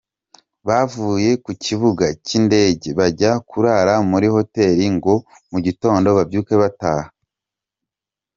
Bavuye ku kibuga cy’indege bajya kurara muri hoteli ngo mu gitondo babyuke bataha.